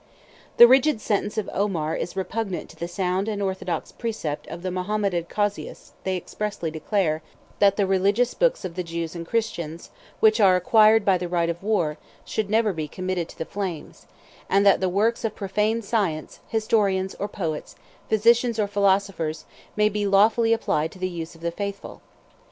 117 The rigid sentence of Omar is repugnant to the sound and orthodox precept of the Mahometan casuists they expressly declare, that the religious books of the Jews and Christians, which are acquired by the right of war, should never be committed to the flames; and that the works of profane science, historians or poets, physicians or philosophers, may be lawfully applied to the use of the faithful.